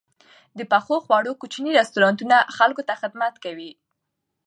د پخو خوړو کوچني رستورانتونه خلکو ته خدمت کوي.